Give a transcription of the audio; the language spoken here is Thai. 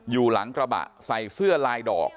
อยู่หลังกระบะใส่เสื้อลายดอก